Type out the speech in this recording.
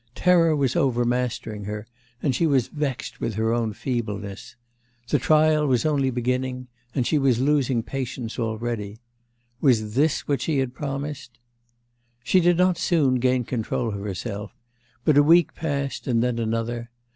Terror was overmastering her, and she was vexed with her own feebleness. The trial was only beginning and she was losing patience already... Was this what she had promised? She did not soon gain control of herself. But a week passed and then another....